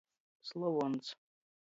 Slovons.